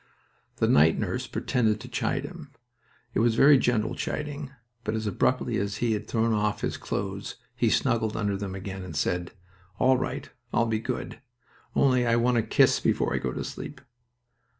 The night nurse pretended to chide him. It was a very gentle chiding, but as abruptly as he had thrown off his clothes he snuggled under them again and said: "All right, I'll be good. Only I want a kiss before I go to sleep."